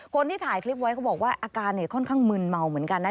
คนที่ถ่ายคลิปไว้เขาบอกว่าอาการเนี่ยค่อนข้างมืนเมาเหมือนกันนะ